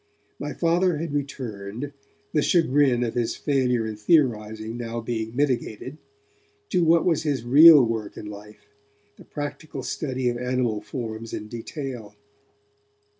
My Father had returned, the chagrin of his failure in theorizing now being mitigated, to what was his real work in life, the practical study of animal forms in detail.